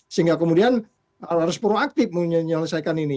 sehingga kemudian harus proaktif menyelesaikan ini